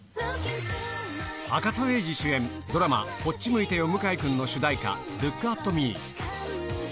あかそえいじ主演、ドラマ、こっち向いてよ向井くんの主題歌、ＬＯＯＫＡＴＭＥ。